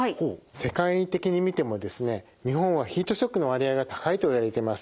世界的に見てもですね日本はヒートショックの割合が高いといわれています。